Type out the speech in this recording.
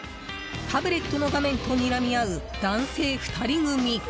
タブレットの画面とにらみ合う男性２人組。